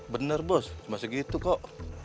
bener bos cuma segitu kok